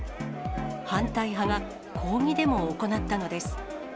反対派が抗議デモを行ったのです。